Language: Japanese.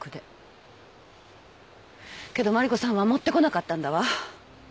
けど麻里子さんは持ってこなかったんだわ。